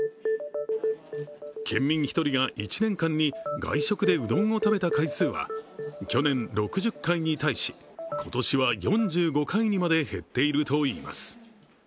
県民１人が１年間に外食でうどんを食べた回数は去年６０回に対し、今年は４５回にまで減っているといいます。